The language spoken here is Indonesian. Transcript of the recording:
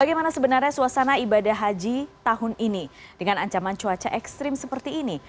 bagaimana sebenarnya suasana ibadah haji tahun ini dengan ancaman cuaca ekstrim seperti ini